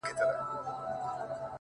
دا غرونه . غرونه دي ولاړ وي داسي.